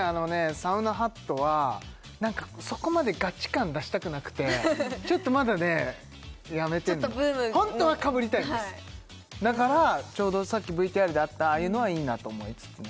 サウナハットはそこまでガチ感出したくなくてちょっとまだねやめてんのちょっとブームホントはかぶりたいんですだからちょうどさっきＶＴＲであったああいうのはいいなと思いつつね